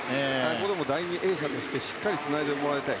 ここでも第２泳者としてしっかりつないでもらいたい。